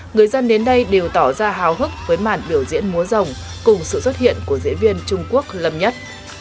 người dân đến đây đều tỏ ra hào hức với màn biểu diễn múa rồng cùng sự xuất hiện của diễn viên trung quốc lầm nhất